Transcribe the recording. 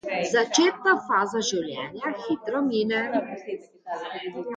Začetna faza življenja hitro mine.